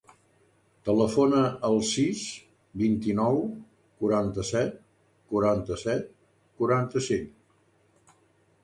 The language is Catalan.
Telefona al sis, vint-i-nou, quaranta-set, quaranta-set, quaranta-cinc.